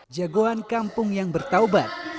jagoan kampung yang bertaubat